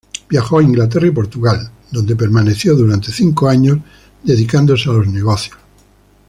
Viajó a Inglaterra y Portugal, donde permaneció durante cinco años dedicándose a los negocios.